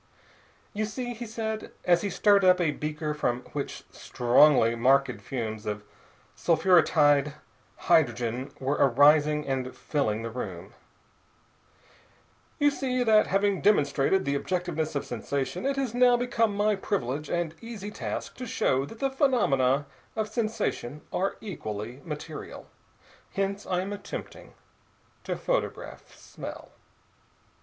"You see," he said, as he stirred up a beaker from which strongly marked fumes of sulphuretied hydrogen were arising and filling the room, "you see that, having demonstrated the objectiveness of sensation, it has now become my privilege and easy task to show that the phenomena of sensation are equally material. Hence I am attempting to photograph smell."